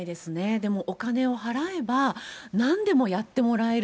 でも、お金を払えばなんでもやってもらえる。